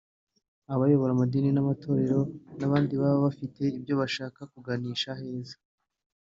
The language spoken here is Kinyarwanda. abayobora amadini n’amatorero n’abandi baba bafite ibyo bashaka kuganisha aheza